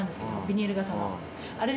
ビニール傘。